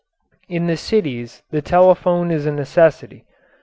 In the cities the telephone is a necessity.